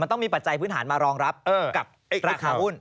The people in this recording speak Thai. ต้องมีปัจจัยพื้นฐานมารองรับกับราคาหุ้น